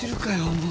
もう。